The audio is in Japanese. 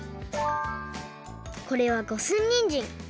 これは五寸にんじん。